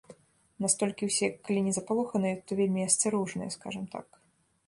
Настолькі ўсе калі не запалоханыя, то вельмі асцярожныя, скажам так.